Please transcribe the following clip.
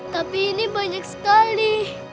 tapi ini banyak sekali